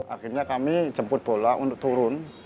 akhirnya kami jemput bola untuk turun